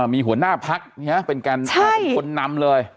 มีหัวหน้าพักเป็นแกนเป็นคนนำเลย